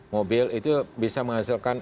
mobil itu bisa menghasilkan